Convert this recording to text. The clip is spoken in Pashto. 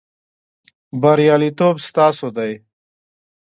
بریالیتوب ستاسو دی